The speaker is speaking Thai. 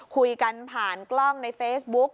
คุยกันผ่านกล้องในเฟซบุ๊ก